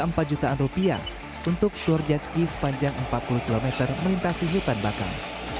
empat jutaan rupiah untuk tour jet ski sepanjang empat puluh km melintasi hutan bakal